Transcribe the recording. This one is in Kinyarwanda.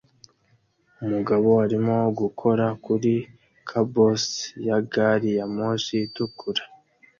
Umugabo arimo gukora kuri caboose ya gari ya moshi itukura